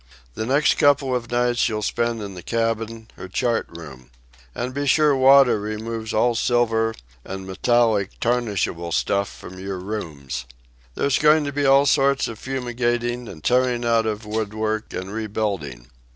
The next couple of nights you'll spend in the cabin or chart room. And be sure Wada removes all silver and metallic tarnishable stuff from your rooms. There's going to be all sorts of fumigating, and tearing out of woodwork, and rebuilding.